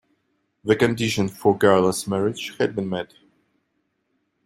The condition for Galla's marriage had been met.